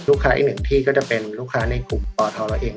อีกหนึ่งที่ก็จะเป็นลูกค้าในกลุ่มปทเราเอง